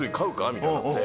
みたいになって。